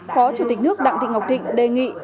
phó chủ tịch nước đặng thị ngọc thịnh đề nghị